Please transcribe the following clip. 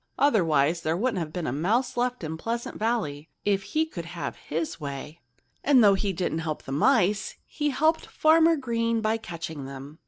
Otherwise, there wouldn't have been a mouse left in Pleasant Valley—if he could have had his way. And though he didn't help the mice, he helped Farmer Green by catching them.